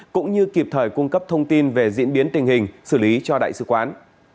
cũng như kịp thời cung cấp thông tin về diễn biến tình hình xử lý cho đại sứ quán